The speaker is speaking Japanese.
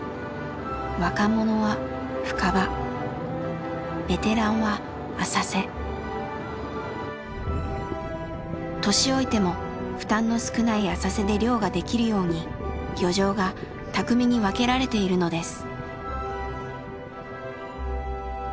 若者は深場年老いても負担の少ない浅瀬で漁ができるように漁場がたくみに分けられているのです。